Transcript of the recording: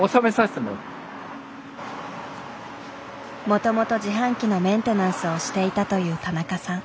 もともと自販機のメンテナンスをしていたという田中さん。